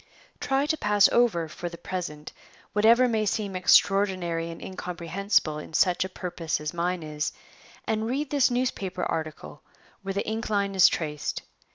Try to pass over, for the present, whatever may seem extraordinary and incomprehensible in such a purpose as mine is, and read this newspaper article where the ink line is traced.